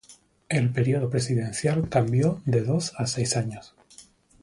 El período presidencial cambió de dos a seis años.